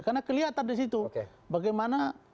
karena kelihatan disitu bagaimana